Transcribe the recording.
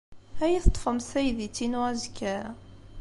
Ad iyi-teṭṭfemt taydit-inu azekka?